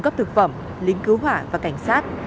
phẩm lính cứu hỏa và cảnh sát